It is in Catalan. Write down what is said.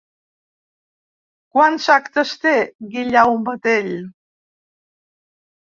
Quants actes té Guillaume Tell?